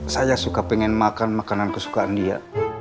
saya suka pengen makan makanan kesukaan dia